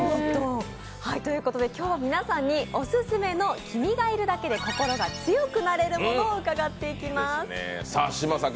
今日は皆さんにオススメの君がいるだけで心が強くなれる物を伺っていきます。